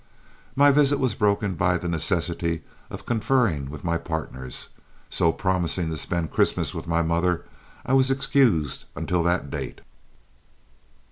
My visit was broken by the necessity of conferring with my partners, so, promising to spend Christmas with my mother, I was excused until that date.